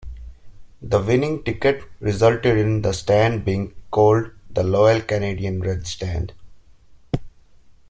The winning ticket resulted in the stand being called the Loyal Canadian Red Stand.